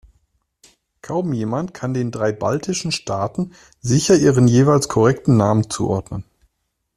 Kaum jemand kann den drei baltischen Staaten sicher ihren jeweils korrekten Namen zuordnen.